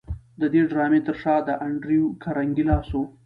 د دې ډرامې تر شا د انډریو کارنګي لاس و